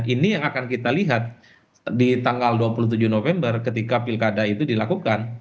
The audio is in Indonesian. ini yang akan kita lihat di tanggal dua puluh tujuh november ketika pilkada itu dilakukan